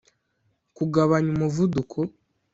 kugabanya umuvuduko